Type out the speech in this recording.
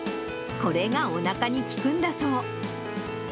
これがおなかに効くんだそう。